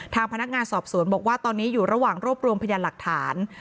ทางพนักงานสอบสวนบอกว่าตอนนี้อยู่ระหว่างรวบรวมพยานหลักฐาน